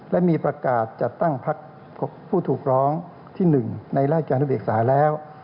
และมีประกาศจัดตั้งพักผู้ถูกร้องที่๑ในราชการนุเบกษาแล้ว